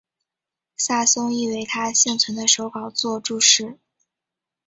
萨松亦为他幸存的手稿作注释。